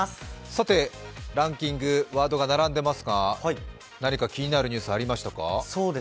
ランキング、ワードが並んでいますが、何か気になるニュース、ありましたか？